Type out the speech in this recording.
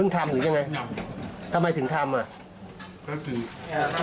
อ๋อเองทำหรือยังไงครับทำไมถึงทำล่ะเองก็คือ